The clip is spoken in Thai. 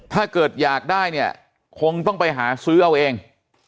ถ้าเกิดอยากได้เนี่ยคงต้องไปหาซื้อเอาเอง